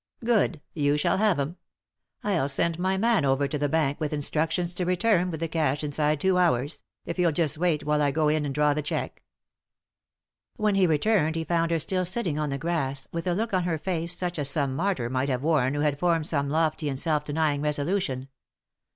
" Good — you shall have 'em 1 I'll send my man over to the bank with instructions to return with the cash inside two hours — if you'll just wait while I go in and draw the cheque." When be returned he found her still sitting on the grass, with a look on her face such as some martyr might have worn who had formed some lofty and self denying resolution.